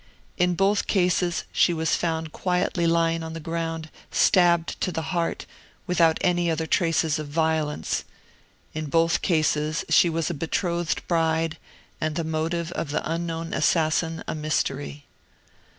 In both cases she was found quietly lying on the ground, stabbed to the heart, without any other traces of violence. In both cases she was a betrothed bride, and the motive of the unknown assassin a mystery.